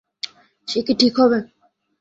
সে কি ঠিক হবে?